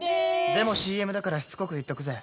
でもＣＭだからしつこく言っとくぜ！